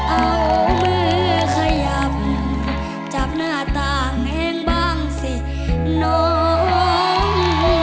เอามือขยับจับหน้าต่างเองบ้างสิน้อง